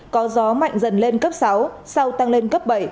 có gió mạnh dần lên cấp sáu sau tăng lên cấp bảy